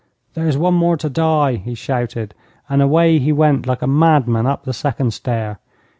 'There is one more to die,' he shouted, and away he went like a madman up the second stair.